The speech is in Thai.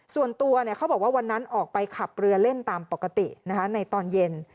ส่วนตัวเขาบอกว่าวันนั้นออกไปขับเรือเล่นตามปกติในตอนเย็น